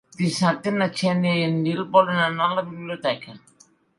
Dissabte na Xènia i en Nil volen anar a la biblioteca.